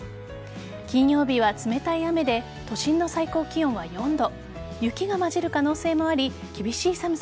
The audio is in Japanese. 金曜日は冷たい雨で都心の最高気温は４度。